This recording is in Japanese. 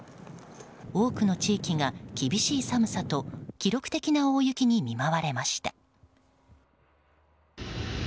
多くの地域が厳しい寒さと記録的な大雪に見舞われました。